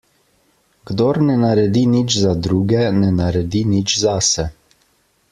Kdor ne naredi nič za druge, ne naredi nič zase.